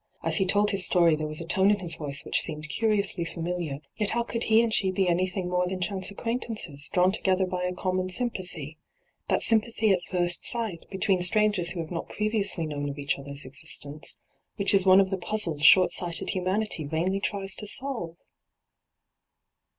As he told his story, there was a tone in his voice which seemed curiously familiar ; yet how could he and she be anything more than chance ac quaintances, drawn tt^ether by a common sympathy — that sympathy at first sight, between strangers who have not previously known of each other's existence, which is one of the puzzles short sighted humanity vainly tries to solve